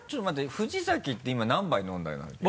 藤崎って今何杯飲んだんだっけ？